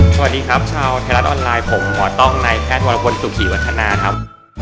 สวัสดีครับชาวไทยรัฐออนไลน์ผมหมอต้องนายแพทย์วรพลสุขีวัฒนาครับ